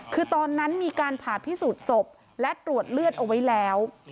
คือตอนนั้นมีการผ่าพิสูจน์ศพและตรวจเลือดเอาไว้แล้ว